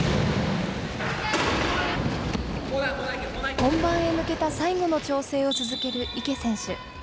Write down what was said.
本番へ向けた最後の調整を続ける池選手。